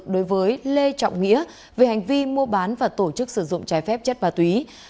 đối với lê trọng nghĩa về hành vi mua bán và tổ chức sử dụng trái phép chất ma túy